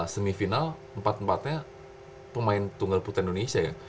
semifinal empat empatnya pemain tunggal putra indonesia ya